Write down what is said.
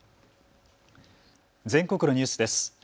全国のニュースです。